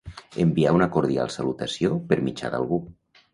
Enviar una cordial salutació per mitjà d'algú.